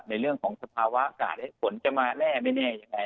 ในเรื่องของสภาวะอากาศฝนจะมาแน่ไม่แน่ยังไง